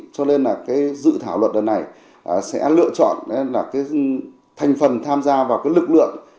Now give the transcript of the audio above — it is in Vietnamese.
cho nên là cái dự thảo luật lần này sẽ lựa chọn là cái thành phần tham gia vào cái lực lượng